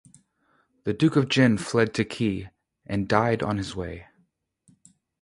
The Duke of Jin fled to Qi and died on his way.